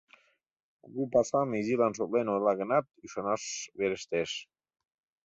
Кугу пашам изилан шотлен ойла гынат, ӱшанаш верештеш.